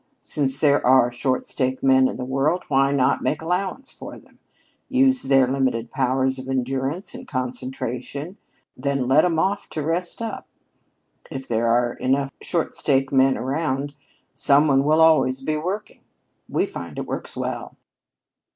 Since there are short stake men in the world, why not make allowances for them? Use their limited powers of endurance and concentration, then let 'em off to rest up. If there are enough short stake men around, some one will always be working. We find it works well."